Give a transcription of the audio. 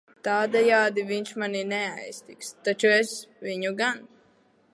Tādejādi viņš mani neaiztiks, taču es viņu gan.